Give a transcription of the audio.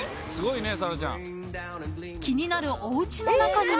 ［気になるおうちの中にも］